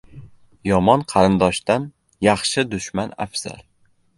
• Yomon qarindoshdan yaxshi dushman afzal.